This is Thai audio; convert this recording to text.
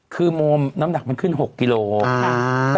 คือโมมน้ำหนักมันขึ้น๖กิโลกรัม